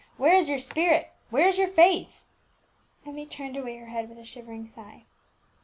Where is your spirit, where is your faith?" Emmie turned away her head with a shivering sigh.